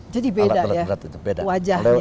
jadi beda ya wajahnya